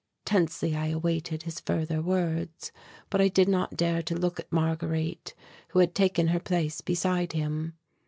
Tensely I awaited his further words, but I did not dare to look at Marguerite, who had taken her place beside him.